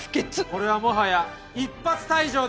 これはもはや一発退場ですね。